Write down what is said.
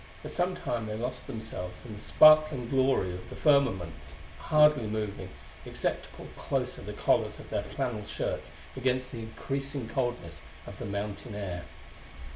For some time they lost themselves in the sparkling glory of the firmament, hardly moving, except to pull closer the collars of their flannel shirts against the increasing coldness of the mountain air.